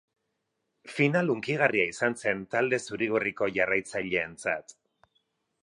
Final hunkigarria izan zen talde zurigorriko jarraitzaileentzat.